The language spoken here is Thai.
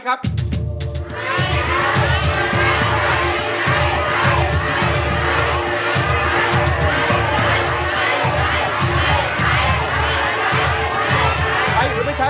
กลับมาเมื่อเวลาที่สุดท้าย